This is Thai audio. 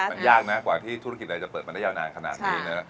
มันยากนะกว่าที่ธุรกิจเราจะเปิดมาได้ยาวนานขนาดนี้นะ